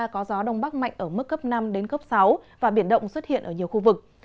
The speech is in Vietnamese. có gió đông bắc mạnh ở mức cấp năm đến cấp sáu và biển động xuất hiện ở nhiều khu vực